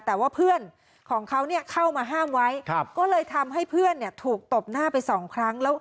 แต่ว่าเพื่อนของเขาเข้ามาห้ามไว้ก็เลยทำให้เพื่อนถูกตบหน้าไปสองครั้งแล้ว